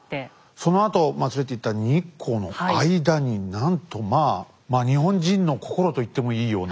そのあとまつれと言った日光の間になんとまあまあ日本人の心と言ってもいいような。